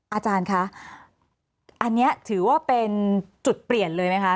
อาจารย์คะอันนี้ถือว่าเป็นจุดเปลี่ยนเลยไหมคะ